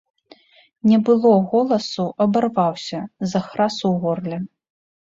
Не было голасу, абарваўся, захрас у горле.